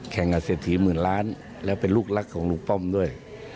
แข่งอเศษถีหมื่นล้านแล้วเป็นลูกลักษณ์ของลูกป้อมด้วย